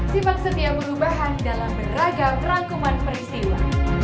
sifat setia berubah dalam beragam rangkuman peristiwa